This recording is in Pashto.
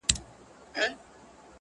• نه به مي قبر چاته معلوم وي -